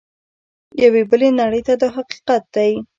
یوې بلې نړۍ ته دا حقیقت دی.